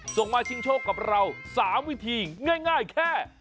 ส่งมาชิงโชคกับเรา๓วิธีง่ายแค่